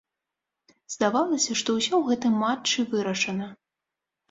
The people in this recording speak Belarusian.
Здавалася, што ўсё ў гэтым матчы вырашана.